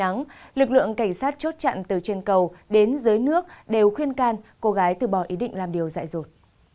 trong ngày một tháng bốn lực lượng cảnh sát chốt chặn từ trên cầu đến dưới nước đều khuyên can cô gái từ bỏ ý định làm điều dại dột